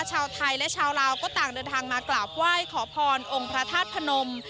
ชาวไทยและชาวลาวก็ต่างเดินทางมากราบไหว้ขอพรองค์พระธาตุพนม